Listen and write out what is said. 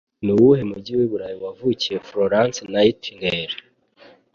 Nuwuhe mujyi wiburayi wavukiye Florence Nightingale